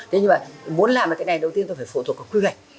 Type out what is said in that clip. thế nhưng mà muốn làm được cái này đầu tiên tôi phải phụ thuộc vào quy hoạch